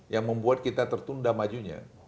yang membuat kita tertunda majunya